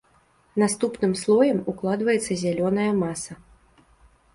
Наступным слоем укладваецца зялёная маса.